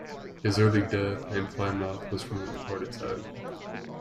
His early death, in Plymouth, was from a heart attack.